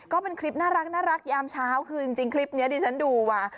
ก็เป็นคลิปน่ารักยามเช้าคือจริงคลิปนี้ดิฉันดูมา